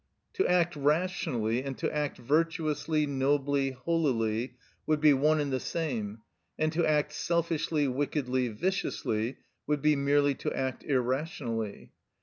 To act rationally and to act virtuously, nobly, holily, would be one and the same; and to act selfishly, wickedly, viciously, would be merely to act irrationally.